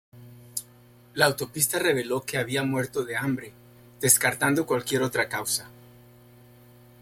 La autopsia reveló que había muerto de hambre, descartando cualquier otra causa.